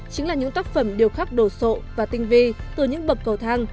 chính là những tác phẩm điều khắc đồ sộ và tinh vi từ những bậc cầu thang